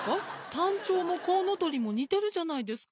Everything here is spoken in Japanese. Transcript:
タンチョウもコウノトリもにてるじゃないですか？